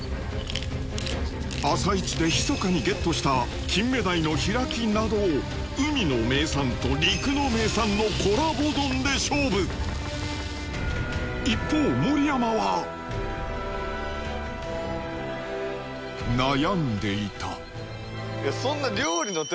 朝市でひそかにゲットした金目鯛の開きなど海の名産と陸の名産のコラボ丼で勝負一方盛山は悩んでいたいやそんな。